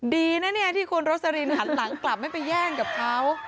ดีนะเนี่ยที่คุณโรสลินหันหลังกลับไม่ไปแย่งกับเขา